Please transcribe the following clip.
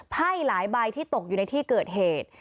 ไพ่หลายใบที่ตกอยู่ในที่เกิดเหตุ